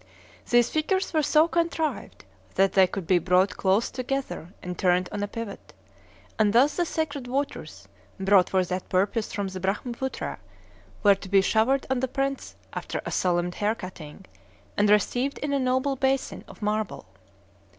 These figures were so contrived that they could be brought close together and turned on a pivot; and thus the sacred waters, brought for that purpose from the Brahmapootra, were to be showered on the prince, after the solemn hair cutting, and received in a noble basin of marble.